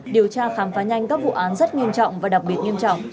điều tra khám phá nhanh các vụ án rất nghiêm trọng và đặc biệt nghiêm trọng